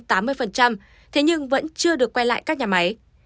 thế nhưng vẫn chưa được quay lại các nhà máy